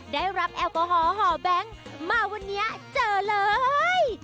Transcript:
ได้รับแอลกอฮอลห่อแบงค์มาวันนี้เจอเลย